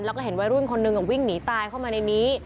แล้วก็เห็นวัยรุ่นคนหนึ่งวิ่งหนีตายเข้ามาในนี้